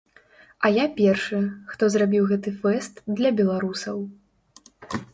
А я першы, хто зрабіў гэты фэст для беларусаў.